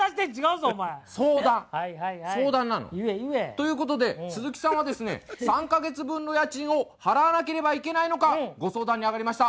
ということで鈴木さんはですね３か月分の家賃を払わなければいけないのかご相談にあがりました。